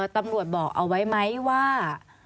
ตำรวจบอกเอาไว้ไหมว่า